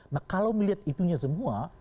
nah kalau melihat itunya semua